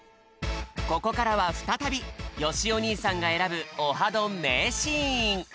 ここからはふたたびよしお兄さんが選ぶ「オハどん！」名シーン！